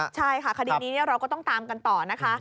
ใช่ค่ะคดีนี้เราก็ต้องตามกันต่อนะคะ